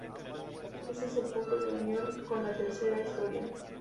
Ese es el punto de unión con la tercera historia.